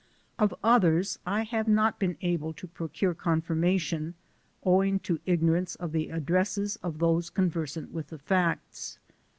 Of others, I have not been able to procure confirma tion, owing to ignorance, of the address of those conversant with the facts.